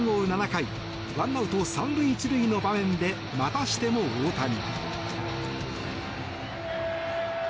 ７回ワンアウト３塁１塁の場面でまたしても大谷。